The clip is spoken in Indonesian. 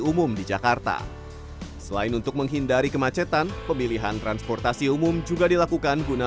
umum di jakarta selain untuk menghindari kemacetan pemilihan transportasi umum juga dilakukan guna